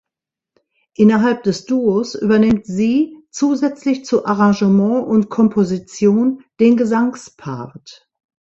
Innerhalb des Duos übernimmt sie, zusätzlich zu Arrangement und Komposition, den Gesangspart.